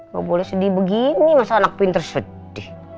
bobo lo sedih begini masa anak pinter sedih